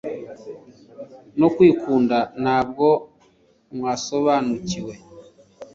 no kwikunda Ntabwo mwasobanukiwe